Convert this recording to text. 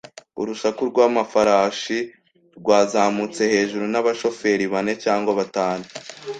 urusaku rw'amafarashi rwazamutse hejuru, n'abashoferi bane cyangwa batanu